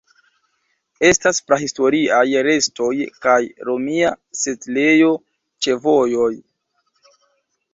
Estas prahistoriaj restoj kaj romia setlejo ĉe vojoj.